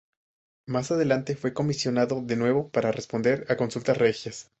Más adelante, fue comisionado de nuevo para responder a consultas regias.